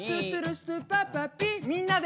みんなで。